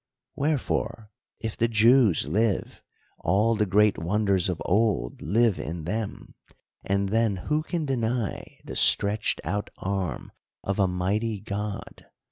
Wherefore, if the Jews live, all the great wonders of old live in them ; and then who can deny the stretched out arm of a mighty God